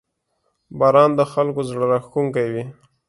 • باران د خلکو زړه راښکونکی وي.